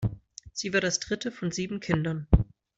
Sie war das dritte von sieben Kindern.